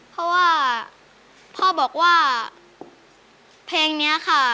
เพราะว่าพ่อบอกว่าเพลงนี้ค่ะ